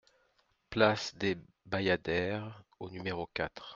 Place des Bayadères au numéro quatre